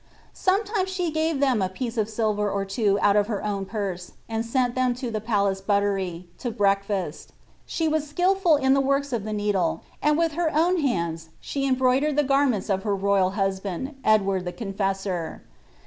Sometimes slie gave them a piece of silver or two out of her own purse, and sent them to the palace buttery, to breaktkst She was skilful in the works of the ntedle, und with her own hands she embroidered the garments of her Toyal husband. Edward the Confessor.